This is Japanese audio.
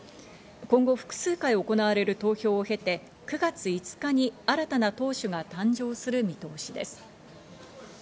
今後、複数回行われる投票を経て、９月５日に新たな党首が誕生する見通しです。